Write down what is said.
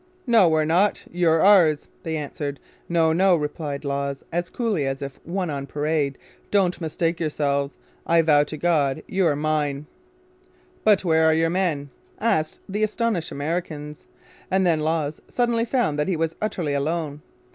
'No, we're not; you're ours!' they answered. 'No, no,' replied Lawes, as coolly as if on parade 'don't mistake yourselves, I vow to God you're mine!' 'But where are your men?' asked the astonished Americans; and then Lawes suddenly found that he was utterly alone!